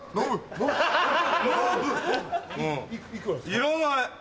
いらない！